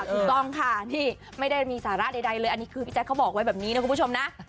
ถูกต้องค่ะนี่ไม่ได้มีสาระใดเลยอันนี้คือพี่แจ๊คเขาบอกไว้แบบนี้นะคุณผู้ชมนะ